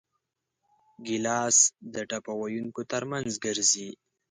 ګیلاس د ټپه ویونکو ترمنځ ګرځي.